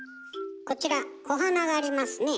こちらお花がありますね。